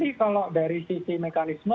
ya jadi kalau dari sisi mekanisme